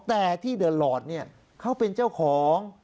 แต่ที่เดินหลอดเนี่ยเขาเป็นเจ้าของ